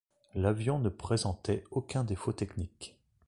L'avion ne présentait aucun défaut technique.